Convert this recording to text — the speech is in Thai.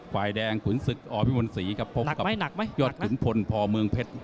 ฝ่ายแดงขุนศึกอพิมลศรีครับพบกับยอดขุนพลพอเมืองเพชร